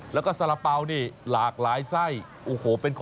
แล้วก็สาระเป๋านี่หลากหลายไส้โอ้โห